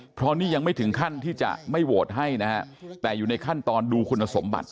เพราะนี่ยังไม่ถึงขั้นที่จะไม่โหวตให้นะฮะแต่อยู่ในขั้นตอนดูคุณสมบัติ